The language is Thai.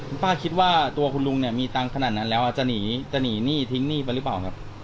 คุณป้าคิดว่าตัวคุณลุงเนี่ยมีตังค์ขนาดนั้นแล้วจะหนีจะหนีหนี้ทิ้งหนี้ไปหรือเปล่าครับ